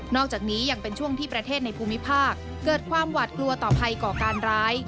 อกจากนี้ยังเป็นช่วงที่ประเทศในภูมิภาคเกิดความหวาดกลัวต่อภัยก่อการร้าย